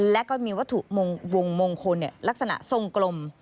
และก็มีวัตถุวงมงคลลักษณะทรงกลม